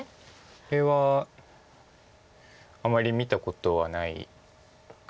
これはあまり見たことはない碁形です。